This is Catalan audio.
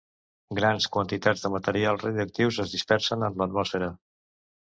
Grans quantitats de materials radioactius es dispersen en l'atmosfera.